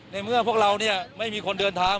ในเมื่อพวกเราไม่มีคนเดินทาง